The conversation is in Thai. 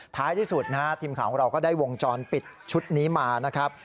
ท้ายที่สุดนะฮะทีมข่าวของเราก็ได้วงจรปิดชุดนี้มานะครับ